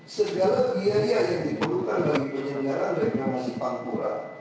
segala biaya yang dibutuhkan bagi penyelenggaraan reklamasi pangguran